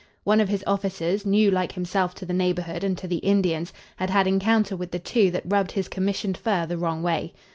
One of his officers, new like himself to the neighborhood and to the Indians, had had encounter with the two that rubbed his commissioned fur the wrong way.